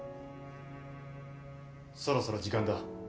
そろそろ時間だ。